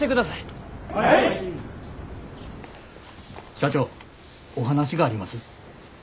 社長お話があります。